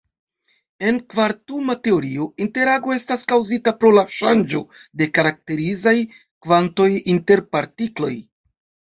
En kvantuma teorio, interago estas kaŭzita pro la ŝanĝo de karakterizaj kvantoj inter partikloj.